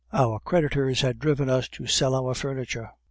Our creditors had driven us to sell our furniture.